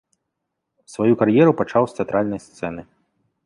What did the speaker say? Сваю кар'еру пачаў з тэатральнай сцэны.